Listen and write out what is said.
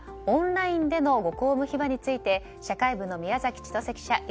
オンラインでのご公務秘話について社会部の宮崎千歳記者